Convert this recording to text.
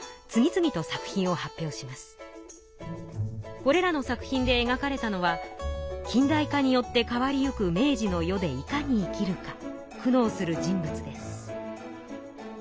これらの作品で描かれたのは近代化によって変わりゆく明治の世でいかに生きるか苦悩する人物です。